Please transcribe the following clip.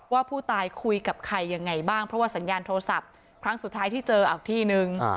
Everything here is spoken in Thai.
ว่าผู้ตายคุยกับใครยังไงบ้างเพราะว่าสัญญาณโทรศัพท์ครั้งสุดท้ายที่เจอเอาที่นึง